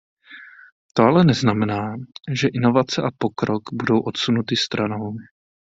To ale neznamená, že inovace a pokrok budou odsunuty stranou.